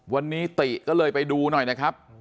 วันนี้ติก็เลยไปดูหน่อยนะครับ